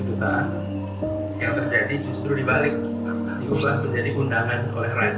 diubah menjadi undangan oleh raja